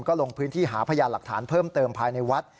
ก็ลงพื้นที่หาพยานหลักฐานเพิ่มเติมภายในวัด